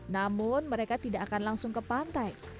namun mereka tidak akan langsung ke pantai